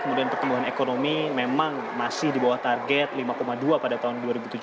kemudian pertumbuhan ekonomi memang masih di bawah target lima dua pada tahun dua ribu tujuh belas